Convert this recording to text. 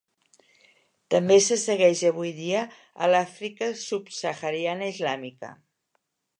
També se segueix avui dia a l'Àfrica subsahariana islàmica.